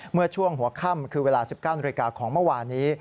เมื่อช่วงหัวค่ำคือเวลา๑๙นาฬิกาของเมื่อวานนี้